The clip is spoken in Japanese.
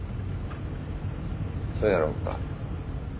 そやろうか。